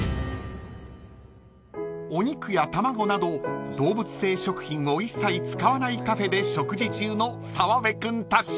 ［お肉や卵など動物性食品を一切使わないカフェで食事中の澤部君たち］